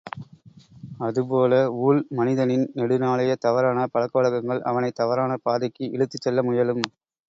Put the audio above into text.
அதுபோல, ஊழ், மனிதனின் நெடுநாளையத் தவறான பழக்கவழக்கங்கள் அவனைத் தவறான பாதைக்கு இழுத்துச் செல்ல முயலும்.